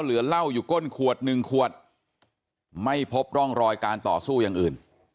เหลือเหล้าอยู่ก้นขวดหนึ่งขวดไม่พบร่องรอยการต่อสู้อย่างอื่น